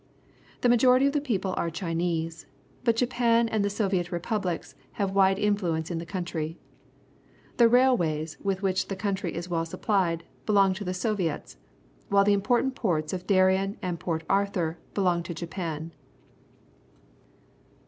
The majority of the people are Chinese, but Japan and the So\'iet Republics have wide influence in the country. The railways, with which the country is well supplied, belong to the So\dets, while the important ports of Dairerji, and Port Art hur belong to Japan.